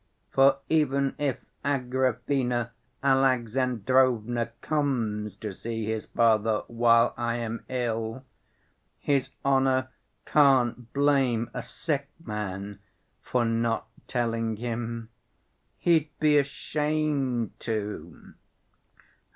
For even if Agrafena Alexandrovna comes to see his father while I am ill, his honor can't blame a sick man for not telling him. He'd be ashamed to."